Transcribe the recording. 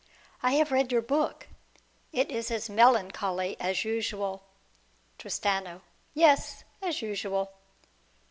I have read your book. It is as melancholy as usual. Tristano. Yes, as usual.